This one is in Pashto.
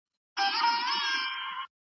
خپل غاښونه هره ورځ په مسواک باندې صفا کوئ.